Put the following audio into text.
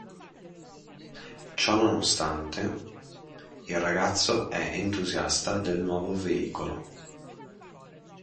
Ciononostante, il ragazzo è entusiasta del nuovo veicolo.